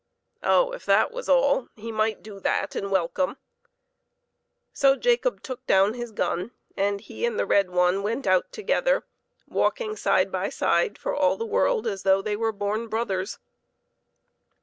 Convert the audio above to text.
Oh ! if that was all, he might do that and welcome. So Jacob took down his gun, and he and the red one went out together, walking side by side, for all the world as though they were born brothers.